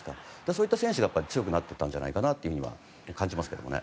そういった選手が強くなっていったんじゃないかなとは感じますけどね。